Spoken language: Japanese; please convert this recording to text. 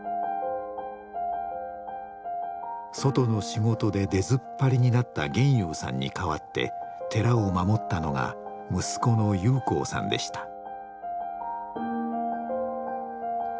外の仕事で出ずっぱりになった現祐さんに代わって寺を守ったのが息子の裕光さんでした。